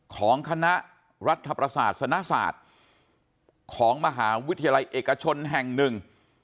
ของคณะรัฐประศาสนศาสตร์ของมหาวิทยาลัยเอกชนแห่งหนึ่ง